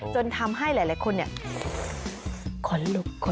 จนทำให้หลายคนเนี่ยขนลุก